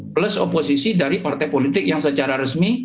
plus oposisi dari partai politik yang secara resmi